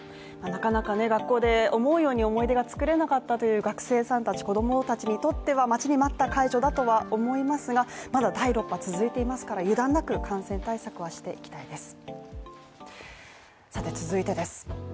なかなか学校で思うように思い出が作れなかったという学生さんたち子供たちにとっては待ちに待った解除だとは思いますがまだ第６波は続いていますから、油断なく感染対策をしていきたいです。